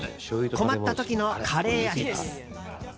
困った時のカレー味です。